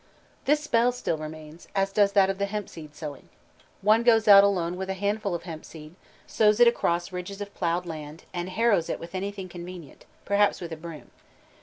This spell still remains, as does that of hemp seed sowing. One goes out alone with a handful of hemp seed, sows it across ridges of ploughed land, and harrows it with anything convenient, perhaps with a broom.